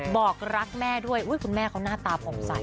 บอกรักแม่ด้วยคุณแม่เขาหน้าตาผมใส